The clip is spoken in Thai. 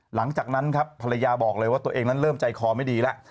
หลังจากนั้นครับภรรยาบอกเลยว่าตัวเองนั้นเริ่มใจคอไม่ดีแล้ว